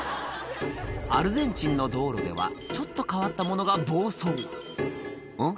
アルゼンチンの道路ではちょっと変わったものが暴走ん？